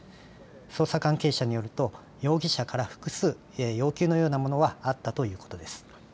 捜査関係者によると容疑者から複数要求のようなものはあったということです。